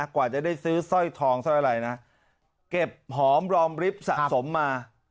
กว่าจะได้ซื้อสร้อยทองเก็บหอมร้อมริ้บสะสมมา